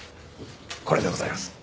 これでございます。